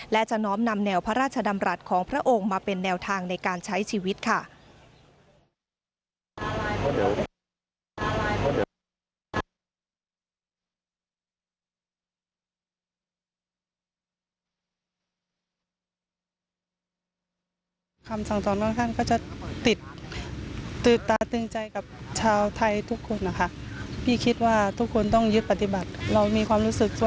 และจะน้อมนำแนวพระราชดำรัฐของพระองค์มาเป็นแนวทางในการใช้ชีวิตค่ะ